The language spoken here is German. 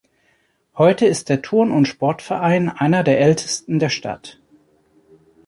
Heute ist der Turn- und Sportverein einer der ältesten der Stadt.